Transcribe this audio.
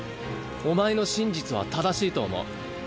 お前の真実は正しいと思う。